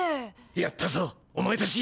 やったぞお前たち。